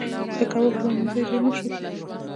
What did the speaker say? د کباب پلورنځي ډیر مشهور دي